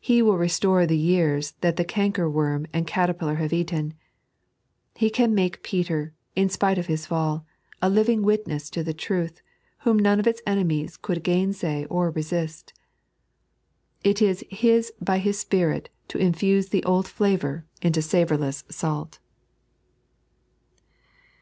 He will restore the years that the cankerworm and caterpillar have eaten. He can make Peter, in epite of hiti fall, a living witness to the truth, whom none of its enemies could gainsay or resist. It is His by His Spirit to infuse the old flavour into savourless salt.